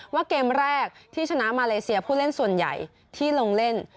ว่าเกมแรกที่ชนะมาเลเซียผู้เล่นส่วนใหญ่ที่ลงเล่น